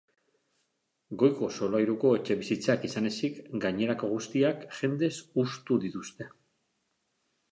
Goiko solairuko etxebizitzak izan ezik, gainerako guztiak jendez hustu dituzte.